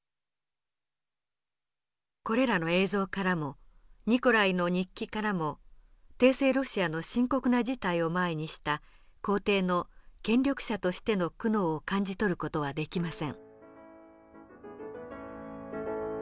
これらの映像からもニコライの日記からも帝政ロシアの深刻な事態を前にした皇帝の権力者としての苦悩を感じ取る事はできません。